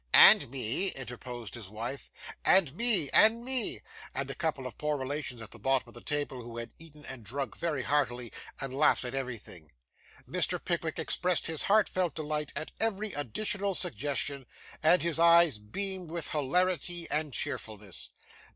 'And me,' interposed his wife. 'And me, and me,' said a couple of poor relations at the bottom of the table, who had eaten and drunk very heartily, and laughed at everything. Mr. Pickwick expressed his heartfelt delight at every additional suggestion; and his eyes beamed with hilarity and cheerfulness.